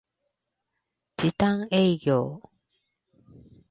時短営業